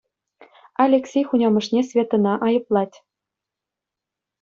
Алексей хунямӑшне Светӑна айӑплать.